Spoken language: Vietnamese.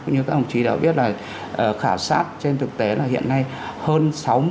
như các ông chí đã biết là khảo sát trên thực tế là hiện nay hơn sáu mươi ba